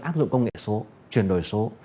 áp dụng công nghệ số truyền đổi số